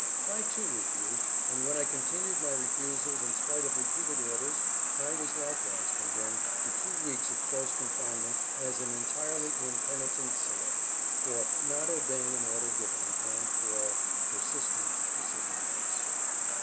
I, too, refused, and when I continued my refusals in spite of repeated orders I was likewise condemned to two weeks of close confinement as an "entirely impenitent sinner," for "not obeying an order given" and for "persistent disobedience."